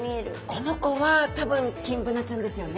この子は多分キンブナちゃんですよね？